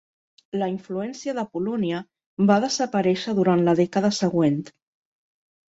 La influència de Polònia va desaparèixer durant la dècada següent.